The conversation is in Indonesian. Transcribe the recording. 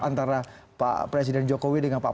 antara presiden jokowi dengan pak pak